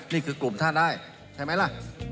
นี่คือกลุ่มท่านได้ใช่ไหมล่ะ